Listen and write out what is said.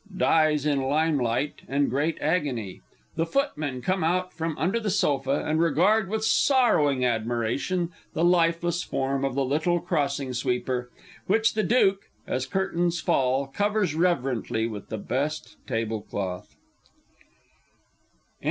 [Dies in lime light and great agony; the Footmen come out from under sofa and regard with sorrowing admiration the lifeless form of the Little Crossing sweeper, which the Duke, as curtain falls, covers reverently with the best table cloth. II.